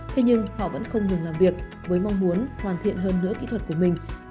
thế nhưng họ vẫn không ngừng làm việc với mong muốn hoàn thiện hơn nữa kỹ thuật của mình